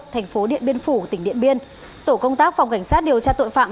thành phố điện biên phủ tỉnh điện biên tổ công tác phòng cảnh sát điều tra tội phạm